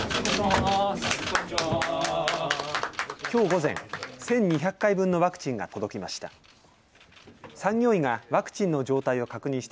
きょう午前、１２００回分のワクチンが届きました。